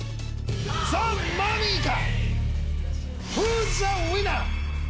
ザ・マミィか？